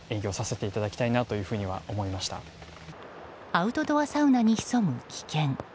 アウトドアサウナに潜む危険。